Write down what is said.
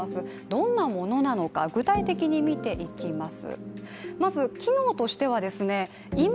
どんなものなのか、具体的に見ていきます。